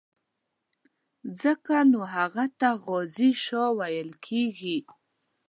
ځکه نو هغه ته غازي شاه ویل کېږي.